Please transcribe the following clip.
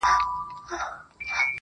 ماته ژړا نه راځي کله چي را یاد کړم هغه